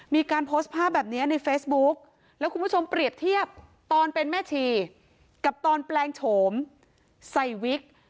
มีการโพสต์ภาพแบบนี้ในเฟซบุ๊กแล้วคุณผู้ชมเปรียบเทียบตอนเป็นแม่ชีกับตอนแปลงโฉมใส่วิก